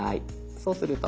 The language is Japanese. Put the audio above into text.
そうすると。